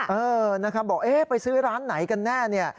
เออนะครับบอกเอ๊ะไปซื้อร้านไหนกันแน่เนี่ย